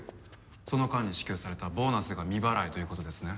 その間に支給されたボーナスが未払いという事ですね。